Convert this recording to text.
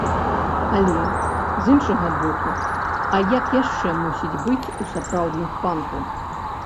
Але, з іншага боку, а як яшчэ мусіць быць у сапраўдных панкаў?